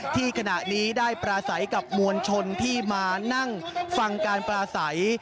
ที่ขณะนี้ได้ปราศัยกับมวลชนที่มานั่งฟังการปลาใส